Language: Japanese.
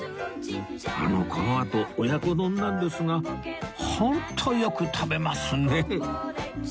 あのこのあと親子丼なんですがホントよく食べますねえ